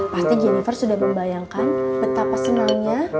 pasti jennifer sudah membayangkan betapa senangnya